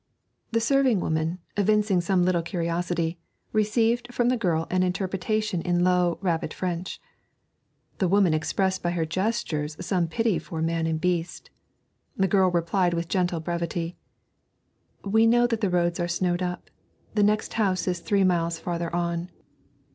The serving woman, evincing some little curiosity, received from the girl an interpretation in low and rapid French. The woman expressed by her gestures some pity for man and beast. The girl replied with gentle brevity 'We know that the roads are snowed up. The next house is three miles farther on.'